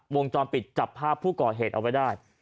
วงจรปิดจับภาพผู้ก่อเหตุเอาไว้ได้